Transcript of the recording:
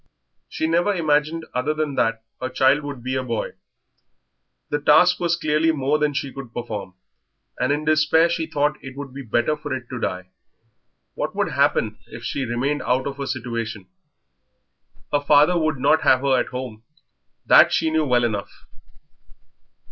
She never imagined other than that her child would be a boy. The task was clearly more than she could perform, and in despair she thought it would be better for it to die. What would happen if she remained out of a situation? Her father would not have her at home, that she knew well enough.